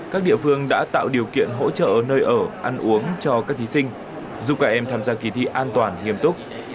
các địa phương đã tạo điều kiện hỗ trợ nơi ở ăn uống cho các thí sinh giúp các em tham gia kỳ thi an toàn nghiêm túc